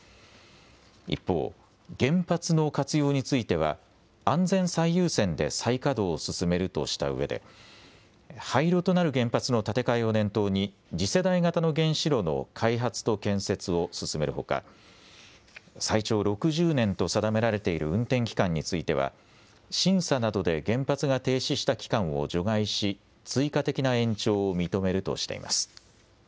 一方、原発の活用については安全最優先で再稼働を進めるとしたうえで廃炉となる原発の建て替えを念頭に次世代型の原子炉の開発と建設を進めるほか最長６０年と定められている運転期間については審査などで原発が停止した期間を除外し追加的な延長を認めるとしています。